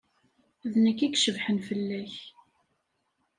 D nekk i icebḥen fell-ak.